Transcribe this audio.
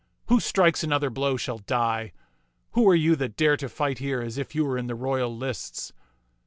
" Who strikes another blow shall die. Who are you that dare to fight here as if you were in the royal lists